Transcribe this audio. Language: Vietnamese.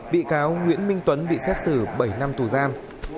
bị cáo nguyễn minh tuấn bị xét xử bảy năm tù giam